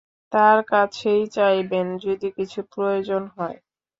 তাঁর কাছেই চাইবেন, যদি কিছু প্রয়োজন হয়।